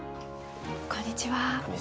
こんにちは。